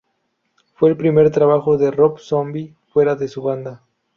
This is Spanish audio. Fue el primer trabajo de Rob Zombie fuera de su banda.